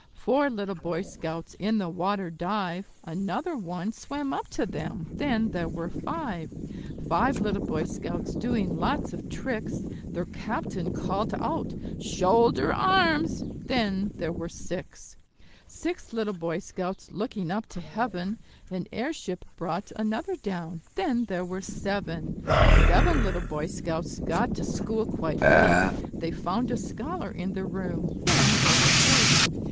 Four little Boy Scouts in the water dive; Another one swam up to them then there were five. Five little Boy Scouts doing lots of tricks; Their captain called out, "Shoulder arms!" then there were six. Six little Boy Scouts looking up to heaven; An airship brought another down then there were seven. Seven little Boy Scouts got to school quite late; They found a scholar in the room then there were eight.